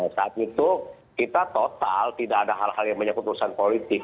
saat itu kita total tidak ada hal hal yang menyebut urusan politik